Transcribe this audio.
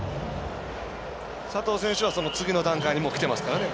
佐藤選手は、その次の段階にもうきてますからね。